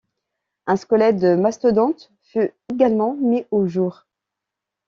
Un squelette de mastodonte fut également mis au jour.